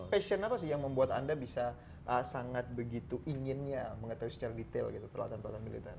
passion apa sih yang membuat anda bisa sangat begitu inginnya mengetahui secara detail peralatan peralatan militer